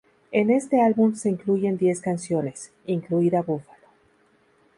En este álbum se incluyen diez canciones, incluida "Búfalo".